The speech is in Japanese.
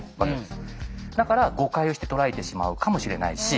だから誤解をして捉えてしまうかもしれないし。